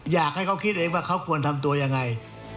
อยากให้เขาคิดเองว่าเขาควรทำตัวยังไง